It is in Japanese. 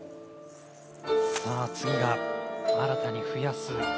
次が新たに増やす